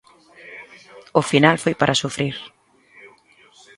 O final foi para sufrir.